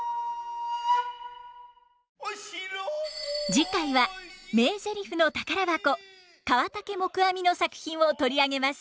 次回は名ゼリフの宝箱河竹黙阿弥の作品を取り上げます。